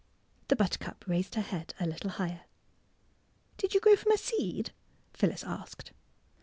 The buttercup raised her head a little higher. *' Did you grow from a seed? " Phyllis asked.